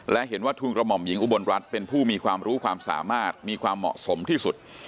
และเห็นว่าทุนกระหม่อมหญิงอุบลรัฐเป็นผู้มีความรู้ความสามารถมีความเหมาะสมที่สุด